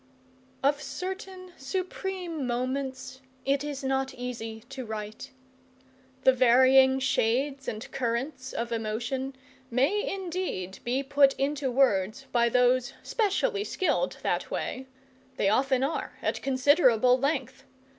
Of certain supreme moments it is not easy to write. The varying shades and currents of emotion may indeed be put into words by those specially skilled that way; they often are, at considerable length.